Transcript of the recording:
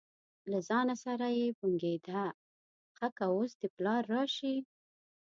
له ځانه سره یې بنګېده: ښه که اوس دې پلار راشي.